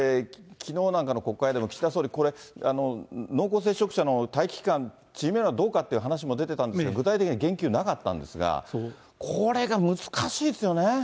きのうなんかの国会でも、岸田総理、これ、濃厚接触者の待機期間、縮めるのはどうかっていう話も出てたんですが、具体的に言及なかったんですが、これが難しいですよね。